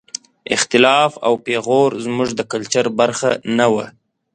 اختلاف او پېغور زموږ د کلچر برخه نه وه.